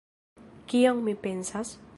Kion mi pensas?